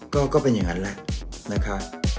ก็ก็เป็นอย่างนั้นแหละโดยค่ะ